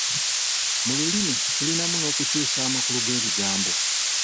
Mu lulimi tulinamu n’okukyusa amakulu g’ebigambo.